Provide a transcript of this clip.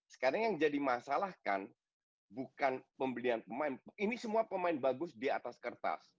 sekarang yang jadi masalah kan bukan pembelian pemain ini semua pemain bagus di atas kertas